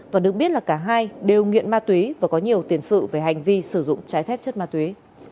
và được biết là cả hai đều nghiện ma túy và có nhiều tiền sự về hành vi sử dụng trái phép chất ma túy